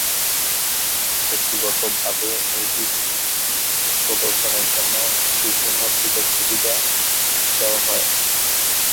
ব্যাক্তিগতভাবে music প্রদর্শনের জন্য বিভিন্ন সুযোগ-সুবিধা দেওয়া হয়।